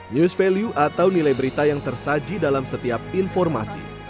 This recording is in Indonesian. news value atau nilai berita yang tersaji dalam setiap informasi